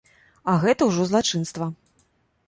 А гэта ўжо злачынства.